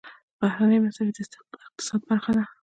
بهرنۍ مرستې د اقتصاد برخه ده